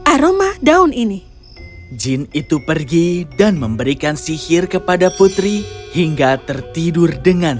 aroma daun ini jin itu pergi dan memberikan sihir kepada putri hingga tertidur dengan